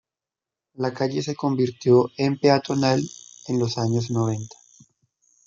La calle se convirtió en peatonal en los años noventa.